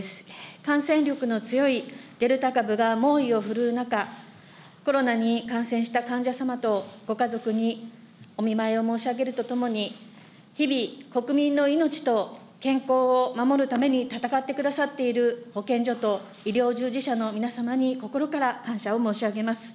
感染力の強いデルタ株が猛威を振るう中、コロナに感染した患者様とご家族にお見舞いを申し上げるとともに、日々国民の命と健康を守るために闘ってくださっている保健所と医療従事者の皆様に、心から感謝を申し上げます。